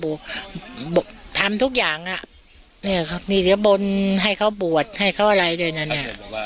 บอกทำทุกอย่างอ่ะเนี่ยครับนี่เดี๋ยวบนให้เขาบวชให้เขาอะไรด้วยนะเนี่ย